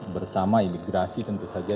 bersama imigrasi tentu saja